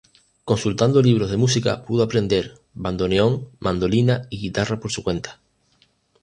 Consultando libros de música pudo aprender bandoneón, mandolina y guitarra por su cuenta.